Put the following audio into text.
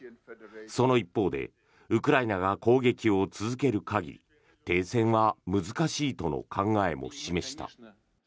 その一方でウクライナが攻撃を続ける限り停戦は難しいとの考えも示した。